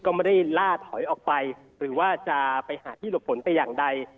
ก็ไม่ได้ล่าถอยออกไปหรือว่าจะไปหาที่หลบฝนแต่อย่างใด